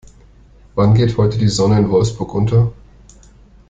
Wann geht heute die Sonne in Wolfsburg unter?